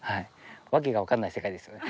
訳がわからない世界ですよね。